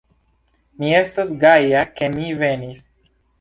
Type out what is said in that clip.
Mi estas gaja ke mi venis.